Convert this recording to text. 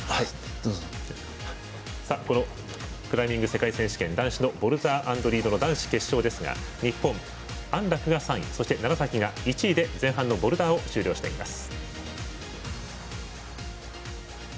クライミング世界選手権ボルダー＆リードの男子決勝ですが日本、安楽が３位そして、楢崎が１位で前半のボルダーを終了しています。